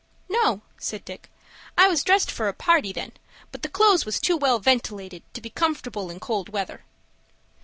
"No," said Dick. "I was dressed for a party, then, but the clo'es was too well ventilated to be comfortable in cold weather."